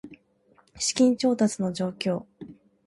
資金調達の状況